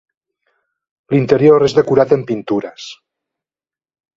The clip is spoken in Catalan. L'interior és decorat amb pintures.